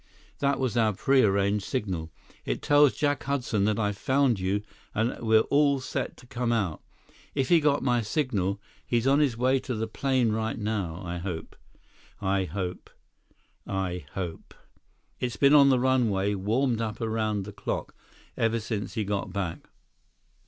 "That was our pre arranged signal. It tells Jack Hudson that I've found you and that we're all set to come out. If he got my signal, he's on his way to the plane right now, I hope, I hope, I hope. It's been on the runway, warmed up around the clock, ever since he got back."